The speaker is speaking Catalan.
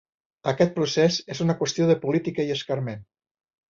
Aquest procés és una qüestió de política i escarment.